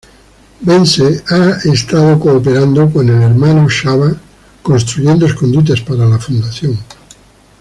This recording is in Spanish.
Bence ha estado cooperando con el Hermano Csaba, construyendo escondites para la fundación.